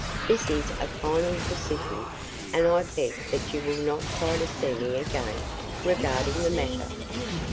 This is a final decision and I beg that you will not try to see me again regarding the matter.